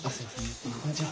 こんにちは。